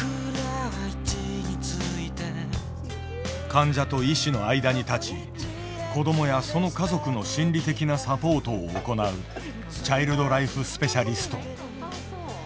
患者と医師の間に立ち子どもやその家族の心理的なサポートを行うチャイルド・ライフ・スペシャリスト。